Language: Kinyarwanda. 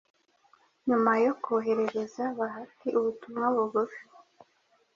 nyuma yo koherereza bahati ubutumwa bugufi